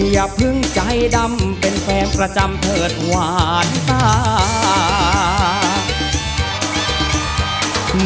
อย่าเพิ่งใจดำเป็นแฟนประจำเถิดหวานตา